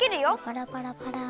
パラパラパラ。